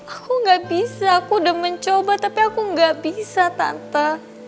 aku gak bisa aku udah mencoba tapi aku gak bisa tanpa